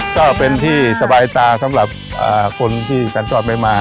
ก็เป็นที่สบายตาสำหรับคนที่สัญจรไปมา